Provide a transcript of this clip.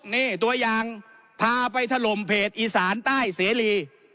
นี่ตัวอย่างพาไปถล่มเพจอีสานใต้เสรี